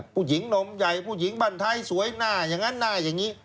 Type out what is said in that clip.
ผู้หญิงนมใหญ่ผู้หญิงบ้านไทยสวยหน้าอย่างนั้นหน้าอย่างนี้